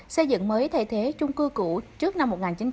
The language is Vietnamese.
xây dựng mới thay thế trung cư cũ trước năm một nghìn chín trăm bảy mươi